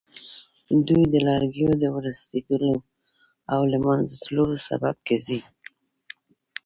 دوی د لرګیو د ورستېدلو او له منځه تلو سبب ګرځي.